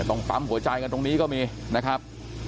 ต้องปั๊มหัวใจกันตรงนี้ก็มีนะครับ